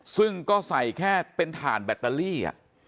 ซึ่งก็ใส่แค่เป็นถ่านแบตเตอรี่